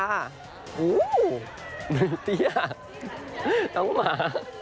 โหหนึ่งเตี้ยทั้งหมา